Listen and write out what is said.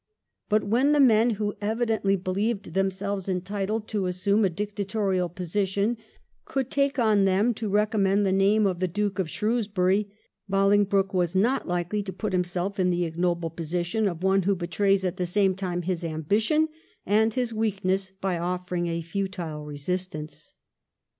But when the men who evidently beUeved themselves entitled to assume a dictatorial position could take on them to recommend the name of the Duke of Shrewsbury, Bolingbroke was not likely to put himself in the ignoble position of one who betrays at the same time his ambition and his weak ness by offering a futile resistance.